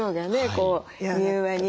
こう柔和に。